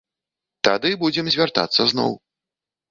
Тады будзем звяртацца зноў.